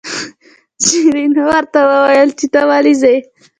شیرینو ورته وویل چې ته ولې ځې.